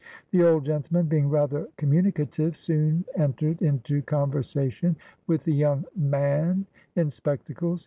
The old gentleman, being rather communicative, soon entered into conversation with the young man in spectacles.